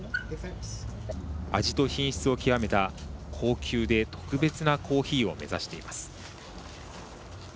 味と品質を極めた高級で特別なコーヒーを目指しています。